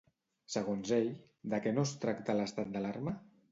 Segons ell, de què no es tracta l'estat d'alarma?